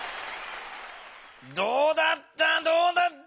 どうだった？